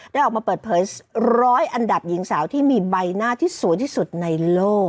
ออกมาเปิดเผยร้อยอันดับหญิงสาวที่มีใบหน้าที่สวยที่สุดในโลก